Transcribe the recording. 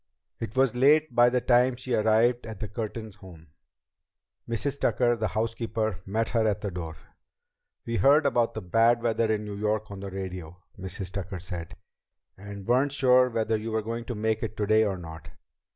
It was late by the time she arrived at the Curtin home. Mrs. Tucker, the housekeeper, met her at the door. "We heard about the bad weather in New York on the radio," Mrs. Tucker said, "and weren't sure whether you were going to make it today or not.